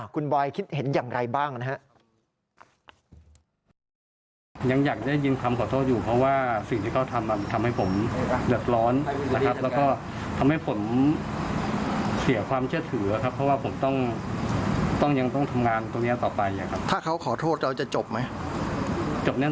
คุณบอยเห็นอย่างไรบ้างนะฮะ